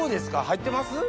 入ってます？